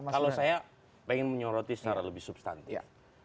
kalau saya ingin menyoroti secara lebih substantif